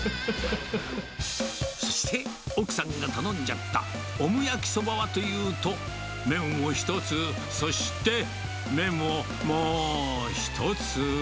そして、奥さんが頼んじゃったオム焼きそばはというと、麺を１つ、そして麺をもう１つ。